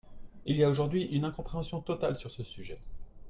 Il y a aujourd’hui une incompréhension totale sur ce sujet.